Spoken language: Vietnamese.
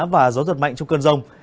và gió giật mạnh trong cơn rông